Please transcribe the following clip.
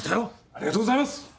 ありがとうございます。